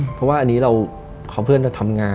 เพราะว่าอันนี้เราพอเพื่อนเราทำงาน